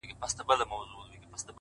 • د دې نړۍ انسان نه دی په مخه یې ښه،